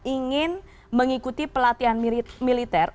ingin mengikuti pelatihan militer